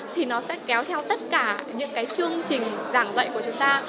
thì nó sẽ kéo theo tất cả những cái chương trình giảng dạy của chúng ta